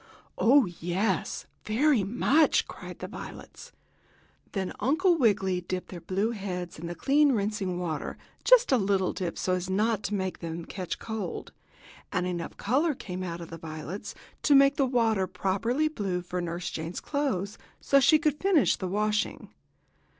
"Oh, yes, very much!" cried the violets. Then Uncle Wiggily dipped their blue heads in the clean rinsing water just a little dip so as not to make them catch cold and enough color came out of the violets to make the water properly blue for Nurse Jane's clothes, so she could finish the washing.